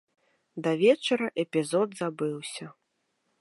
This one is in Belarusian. Да вечара эпізод забыўся.